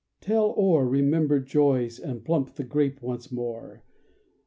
Tell o'er Remembered joys and plump the grape once more.